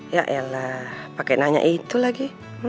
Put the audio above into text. yaelah pake nanya itu lagi